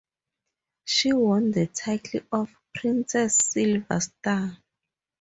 She won the title of "Princess Silver Star".